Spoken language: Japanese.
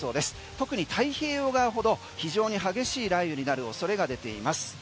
特に太平洋側ほど非常に激しい雷雨になる恐れが出ています。